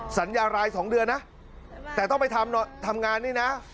สัญญาราย๒เดือนนะแต่ต้องไปทำงานนี่นะ